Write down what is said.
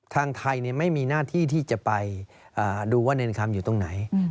ทางไทยไม่มีหน้าที่ที่จะไปดูว่าเนรคำอยู่ตรงไหน